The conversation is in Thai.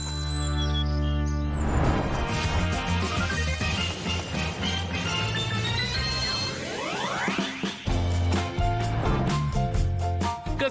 สวัสดีครับ